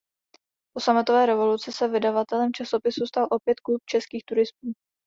Po sametové revoluci se vydavatelem časopisu stal opět Klub českých turistů.